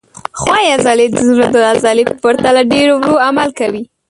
ښویې عضلې د زړه د عضلې په پرتله ډېر ورو عمل کوي.